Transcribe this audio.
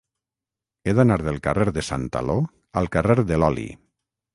He d'anar del carrer de Santaló al carrer de l'Oli.